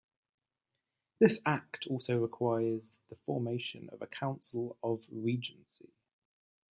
This Act also required the formation of a Council of Regency.